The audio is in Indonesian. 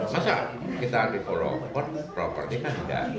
masa kita diperlombokan propertikan tidak